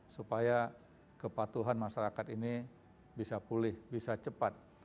supaya kepatuhan masyarakat ini bisa pulih bisa cepat